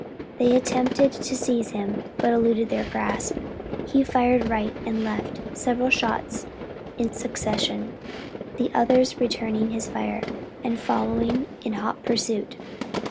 They attempted to seize him, but eluding their grasp, he fired right and left, several shots in succession, the others returning his fire, and following in hot pursuit.